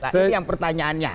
nah itu yang pertanyaannya